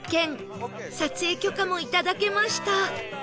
撮影許可も頂けました